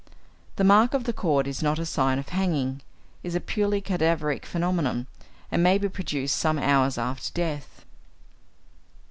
The mark of the cord is not a sign of hanging, is a purely cadaveric phenomenon, and may be produced some hours after death.